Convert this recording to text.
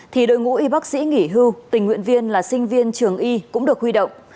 thì đội ngũ y bác sĩ nghỉ hưu tình nguyện viên là sinh viên trường y cũng được huy động